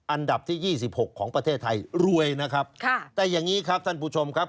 อันดับที่ยี่สิบหกของประเทศไทยรวยนะครับค่ะแต่อย่างนี้ครับท่านผู้ชมครับ